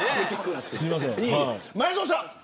前園さん